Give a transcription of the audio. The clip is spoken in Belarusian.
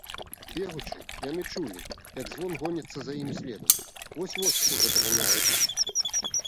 Бегучы, яны чулі, як звон гоніцца за імі следам, вось-вось ужо даганяе іх.